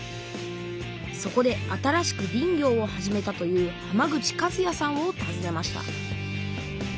そこで新しく林業を始めたという浜口和也さんをたずねました